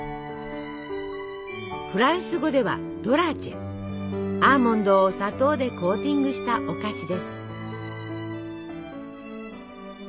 フランス語ではアーモンドを砂糖でコーティングしたお菓子です。